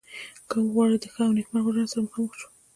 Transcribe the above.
که غواړو چې د ښه او نیکمرغه ژوند سره مخامخ شو.